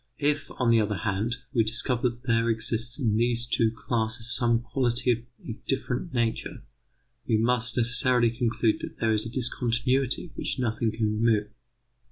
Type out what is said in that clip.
If, on the other hand, we discover that there exists in these two classes some quality of a different nature, we must necessarily conclude that there is a discontinuity which nothing can remove.